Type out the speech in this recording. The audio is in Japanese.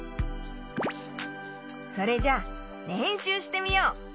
それじゃれんしゅうしてみよう。